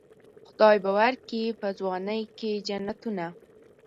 خدای به ورکي په ځوانۍ کې جنتونه.